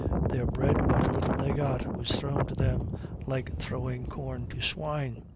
Their bread, what little they got, was thrown to them like throwing corn to swine.